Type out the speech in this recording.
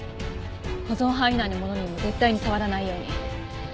保存範囲内のものにも絶対に触らないように。